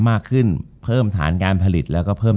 จบการโรงแรมจบการโรงแรม